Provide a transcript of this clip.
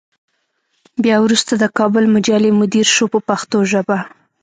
بیا وروسته د کابل مجلې مدیر شو په پښتو ژبه.